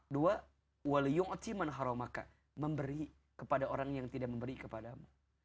dua memberi kepada orang yang tidak memberi kepadamu